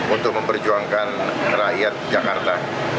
untuk memperjuangkan rakyat jakarta